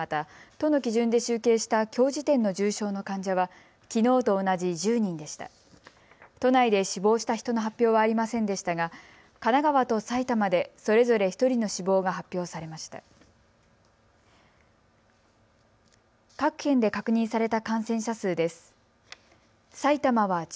都内で死亡した人の発表はありませんでしたが神奈川と埼玉でそれぞれ１人の死亡が発表されました。